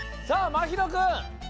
さあまひろくん！